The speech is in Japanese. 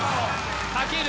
かける